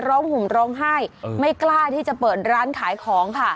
ห่มร้องไห้ไม่กล้าที่จะเปิดร้านขายของค่ะ